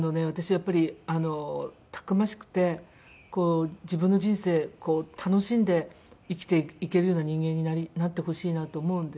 やっぱりたくましくてこう自分の人生楽しんで生きていけるような人間になってほしいなと思うんですね。